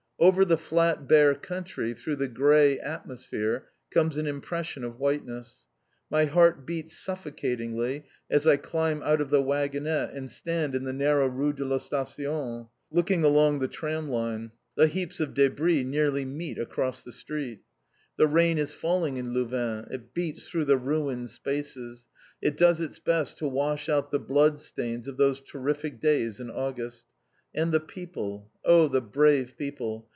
Over the flat bare country, through the grey atmosphere comes an impression of whiteness. My heart beats suffocatingly as I climb out of the waggonette and stand in the narrow Rue de la Station, looking along the tram line. The heaps of débris nearly meet across the street. The rain is falling in Louvain; it beats through the ruined spaces; it does its best to wash out the blood stains of those terrific days in August. And the people, oh, the brave people.